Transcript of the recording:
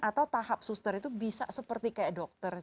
atau tahap suster itu bisa seperti kayak dokter